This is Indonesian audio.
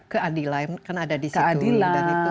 keadilan kan ada disitu keadilan